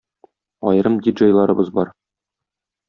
Аерым ди-джейларыбыз бар.